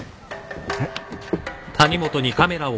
えっ？